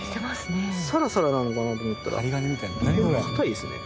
サラサラなのかなと思ったら結構硬いですね。